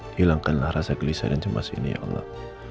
hilangkanlah rasa gelisah dan cemas ini ya allah